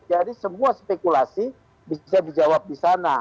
jadi semua spekulasi bisa dijawab di sana